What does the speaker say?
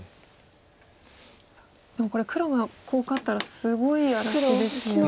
でもこれ黒がコウ勝ったらすごい荒らしですよね。